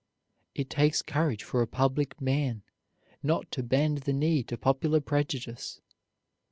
It takes courage for a public man not to bend the knee to popular prejudice.